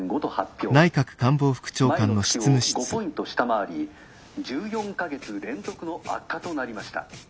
前の月を５ポイント下回り１４か月連続の悪化となりました。